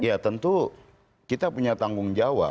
ya tentu kita punya tanggung jawab